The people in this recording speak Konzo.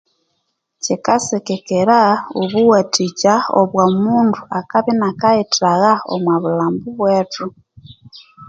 Kyikasigikira obuwathikya obwa omundu akabya inyakayithagha omwa bulhambu bwethu